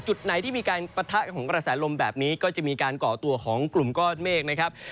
จุดไหนที่มีการปะทะของกระแสลมแบบนี้ก็จะมีการก่อตัวของกลุ่มก้อนเมฆนะครับ